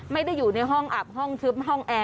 ไม่ได้อยู่ในห้องอับห้องทึบห้องแอร์